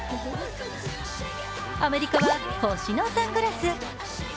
アメリカは星のサングラス。